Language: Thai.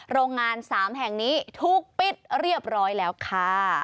โรงงาน๓แห่งนี้ถูกปิดเรียบร้อยแล้วค่ะ